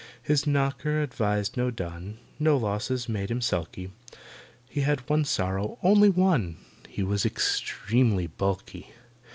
His knocker advertised no dun, No losses made him sulky, He had one sorrow—only one— He was extremely bulky.